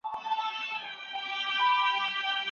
د ارغنداب سیند د خاورې حاصلخېزي بېمثاله ده.